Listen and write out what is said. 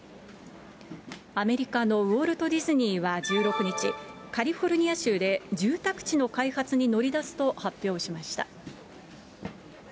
アメリカのウォルトディズニーは１６日、カリフォルニア州で住宅地の開発に乗り出すと発表しました。